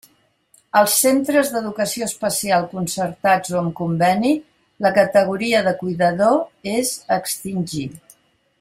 Als centres d'Educació Especial concertats o amb conveni, la categoria de cuidador és a extingir.